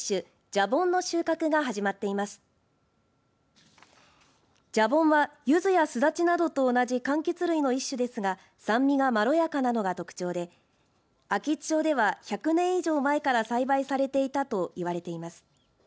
じゃぼんは、ゆずやすだちなどと同じかんきつ類の一種ですが酸味がまろやかなのが特徴で安芸津町では１００年以上前から栽培されていたと言われています。